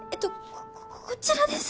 ここちらです。